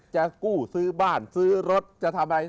จะกู้ซื้อบ้านซื้อรถจะทำอะไร